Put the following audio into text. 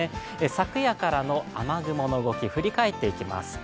昨夜からの雨雲の動き、振り返っていきます。